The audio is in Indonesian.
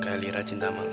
kayak lira cinta sama lu